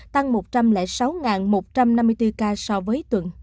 tăng một trăm linh sáu một trăm năm mươi bốn ca so với tuần trước